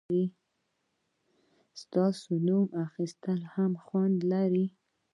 • ستا نوم اخیستل هم خوند لري.